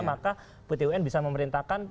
maka pt un bisa memerintahkan